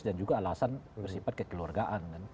dan juga alasan bersifat kekeluargaan